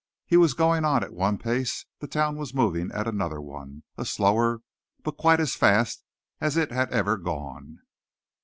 He was going on at one pace, the town was moving at another one a slower, but quite as fast as it had ever gone.